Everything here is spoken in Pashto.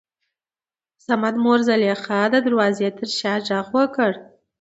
دصمد مور زليخا دې دروازې تر شا غږ وکړ.